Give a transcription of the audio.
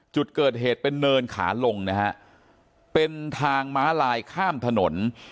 จุดเกิดเหตุเป็นเนินขาลงนะฮะเป็นทางม้าลายข้ามถนน